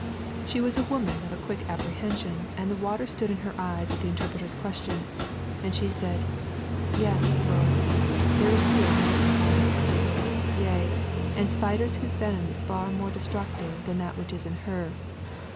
She was a woman of a quick apprehension, and the water stood in her eyes at the Interpreter's question, and she said: 'Yes, Lord, there is here more than one. Yea, and spiders whose venom is far more destructive than that which is in her.'